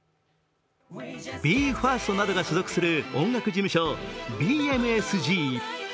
ＢＥ：ＦＩＲＳＴなどが所属する音楽事務所、ＢＭＳＧ。